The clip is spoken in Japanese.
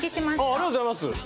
ありがとうございます。